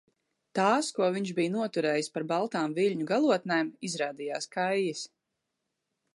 Tās, ko viņš bija noturējis par baltām viļņu galotnēm, izrādījās kaijas.